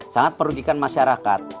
sangat merugikan masyarakat